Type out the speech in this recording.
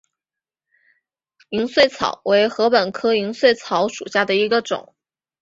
银穗草为禾本科银穗草属下的一个种。